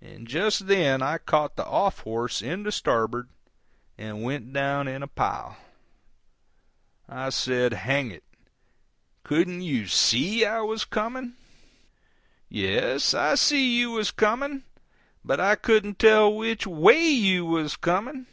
And just then I caught the off horse in the starboard and went down in a pile. I said, "Hang it! Couldn't you SEE I was coming?" "Yes, I see you was coming, but I couldn't tell which WAY you was coming.